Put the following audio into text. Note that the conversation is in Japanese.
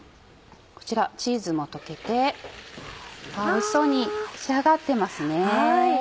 こちらチーズも溶けておいしそうに仕上がってますね。